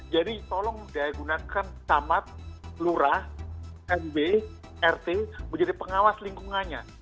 jadi tolong digunakan tamat lurah mb rt menjadi pengawas lingkungannya